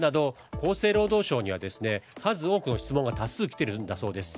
厚生労働省には数多くの質問が多数来ているんだそうです。